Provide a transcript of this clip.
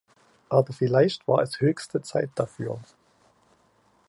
Aber vielleicht war es höchste Zeit dafür.